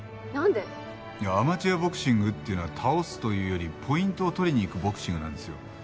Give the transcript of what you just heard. いやアマチュアボクシングっていうのは倒すというよりポイントを取りにいくボクシングなんですよ。